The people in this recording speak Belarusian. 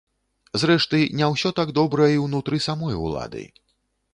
Зрэшты, не ўсё так добра і ўнутры самой улады.